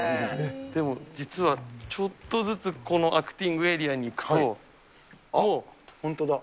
でも実はちょっとずつこのアクティングエリアに行くと、本当だ。